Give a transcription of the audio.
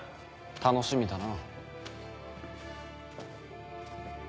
楽しみだな。